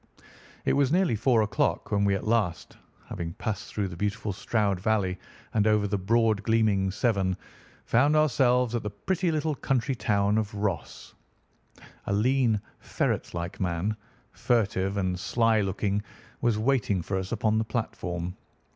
It was nearly four o'clock when we at last, after passing through the beautiful Stroud Valley, and over the broad gleaming Severn, found ourselves at the pretty little country town of Ross. A lean, ferret like man, furtive and sly looking, was waiting for us upon the platform.